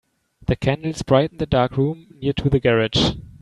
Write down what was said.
The candles brightened the dark room near to the garage.